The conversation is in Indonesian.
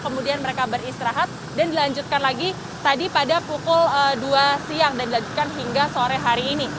kemudian mereka beristirahat dan dilanjutkan lagi tadi pada pukul dua siang dan dilanjutkan hingga sore hari ini